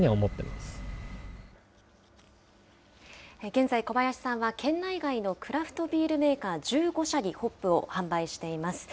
現在、小林さんは県内外のクラフトビールメーカー１５社にホップを販売しています。